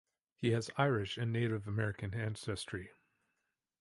He has Irish and Native American ancestry.